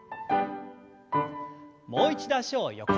もう一度脚を横に。